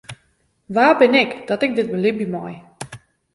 Wa bin ik dat ik dit belibje mei?